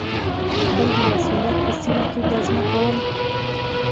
خپل د مسؤلیت په سیمه کي ګزمه کول